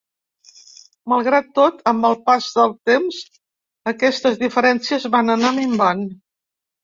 Malgrat tot, amb el pas del temps, aquestes diferències van anar minvant.